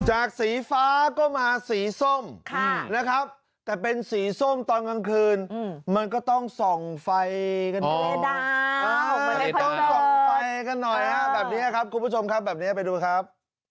สีฟ้าก็มาสีส้มนะครับแต่เป็นสีส้มตอนกลางคืนมันก็ต้องส่องไฟกันต้องส่องไฟกันหน่อยฮะแบบนี้ครับคุณผู้ชมครับแบบนี้ไปดูครับ